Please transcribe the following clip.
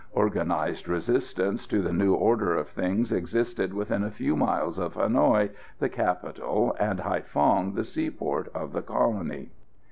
Organised resistance to the new order of things existed within a few miles of Hanoï the capital, and Haïphong the seaport, of the colony.